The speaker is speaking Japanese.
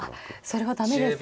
それは駄目ですか？